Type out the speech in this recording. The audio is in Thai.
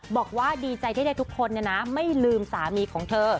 บอกว่าดีใจที่ได้ทุกคนไม่ลืมสามีของเธอ